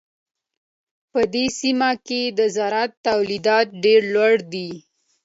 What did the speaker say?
په دې سیمه کې د زراعت تولیدات ډېر لوړ دي.